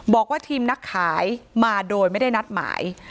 บอกว่าทีมนักขายมาโดยไม่ได้นัดหมาย